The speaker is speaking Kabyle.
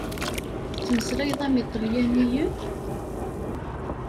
Tettmeslayeḍ am iṭalyaniyen?